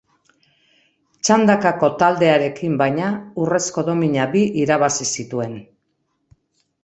Txandakako taldearekin, baina, urrezko domina bi irabazi zituen.